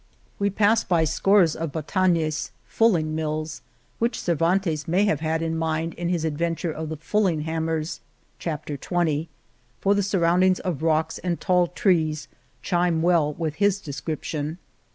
We pass by scores of butanes (fulling mills), which Cer vantes may have had in mind in his advent 66 The Cave of Montesinos ure of the FuUing Hammers (Chapter XX.), for the surroundings of rocks and tall trees chime well with his description.